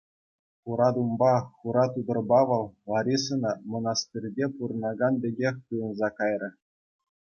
Хура тумпа, хура тутӑрпа вӑл Ларисӑна мӑнастирте пурӑнакан пекех туйӑнса кайрӗ.